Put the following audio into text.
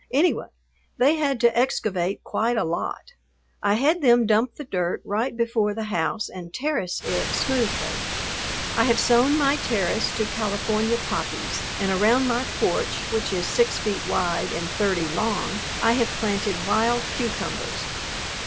Anyway, they had to excavate quite a lot. I had them dump the dirt right before the house and terrace it smoothly. I have sown my terrace to California poppies, and around my porch, which is six feet wide and thirty long, I have planted wild cucumbers.